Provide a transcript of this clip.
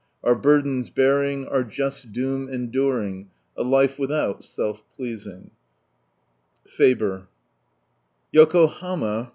Out burdens bearing, our just dfom endnring, A life iirilAoiil silf pltasing" FaBEb. Yokohama.